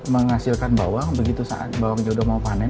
menghasilkan bawang begitu saat bawang jodoh mau panen